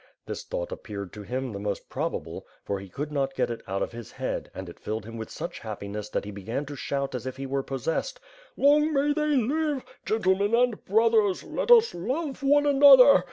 '^ This thought ap peared to him the most probable, for he could not get it out of his head; and it filled him with such happiness that he began to shout as if he were possessed: "Long may they live! Qentlemen and brothers! Let us love one another!"